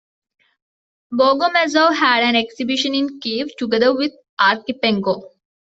Bogomazov had an exhibition in Kiev, together with Archipenko.